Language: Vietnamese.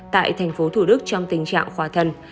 tại thành phố thủ đức trong tình trạng khà thần